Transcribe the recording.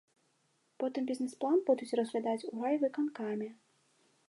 Потым бізнес-план будуць разглядаць у райвыканкаме.